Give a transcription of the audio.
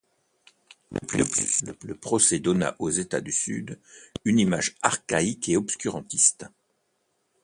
De plus, le procès donna aux États du Sud une image archaïque et obscurantiste.